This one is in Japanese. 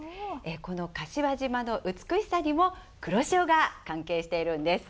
この柏島の美しさにも黒潮が関係しているんです。